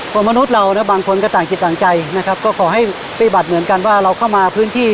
มนุษย์เรานะบางคนก็ต่างจิตต่างใจนะครับก็ขอให้ปฏิบัติเหมือนกันว่าเราเข้ามาพื้นที่